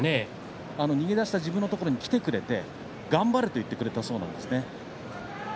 逃げ出した自分のところに来てくれて頑張れと言ってくれたそうです。